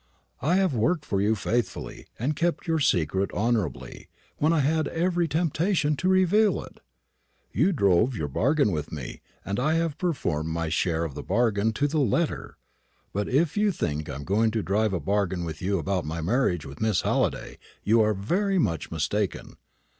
"I have worked for you faithfully, and kept your secret honourably, when I had every temptation to reveal it. You drove your bargain with me, and I have performed my share of the bargain to the letter. But if you think I am going to drive a bargain with you about my marriage with Miss Halliday, you are very much mistaken.